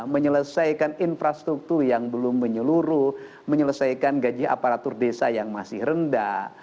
menyelesaikan infrastruktur yang belum menyeluruh menyelesaikan gaji aparatur desa yang masih rendah